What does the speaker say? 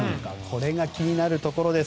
これが気になるところです。